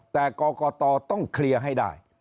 แต่กรกตต้องเคลียร์ให้ได้